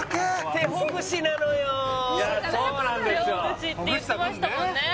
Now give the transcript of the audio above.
手ほぐしって言ってましたもんね